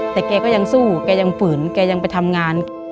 แต่แกก็ยังสู้แกยังฝืนแกยังไปทำงาน